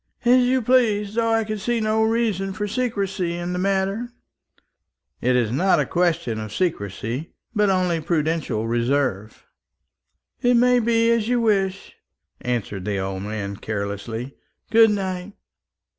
"As you please, though I can see no reason for secrecy in the matter." "It is not a question of secrecy, but only of prudential reserve." "It may be as you wish," answered the old man, carelessly. "Good night."